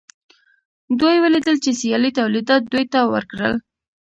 دوی ولیدل چې سیالۍ تولیدات دوی ته ورکړل